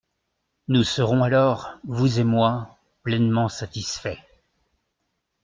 Nous serons alors, vous et moi, pleinement satisfaits.